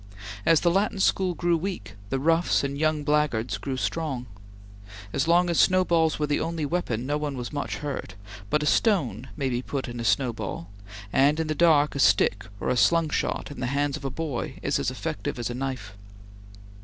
As the Latin School grew weak, the roughs and young blackguards grew strong. As long as snowballs were the only weapon, no one was much hurt, but a stone may be put in a snowball, and in the dark a stick or a slungshot in the hands of a boy is as effective as a knife.